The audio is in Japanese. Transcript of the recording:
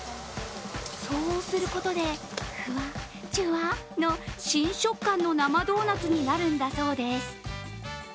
そうすることで、ふわ、じゅわの新食感の生ドーナツになるんだそうです。